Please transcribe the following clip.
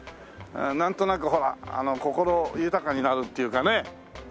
なんとなくほら心豊かになるっていうかね。